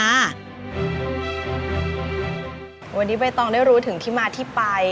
วันนี้ใบตองได้รู้ถึงที่มาที่ไป